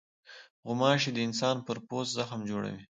غوماشې د انسان پر پوست زخم جوړوي.